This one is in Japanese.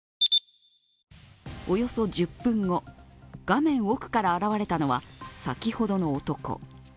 およそ１０分後、画面奥から現れたのは先ほどの男。